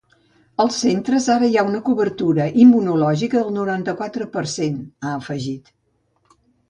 Als centres ara hi ha una cobertura immunològica del noranta-quatre per cent, ha afegit.